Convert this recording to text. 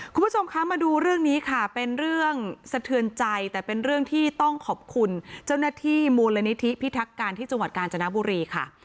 คุณผู้ชมคะมาดูเรื่องนี้ค่ะเป็นเรื่องสะเทือนใจแต่เป็นเรื่องที่ต้องขอบคุณเจ้าหน้าที่มูลนิธิพิทักการที่จังหวัดกาญจนบุรีค่ะ